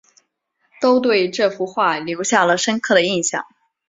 都对这幅画留下了深刻的印象